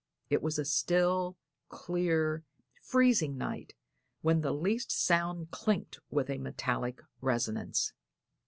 It was a still, clear, freezing night, when the least sound clinked with a metallic resonance.